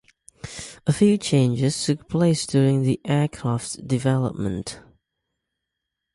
A few changes took place during the aircraft's development.